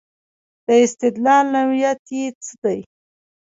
د استدلال نوعیت یې څه دی.